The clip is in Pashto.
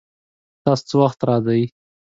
تاسو څه وخت راځئ؟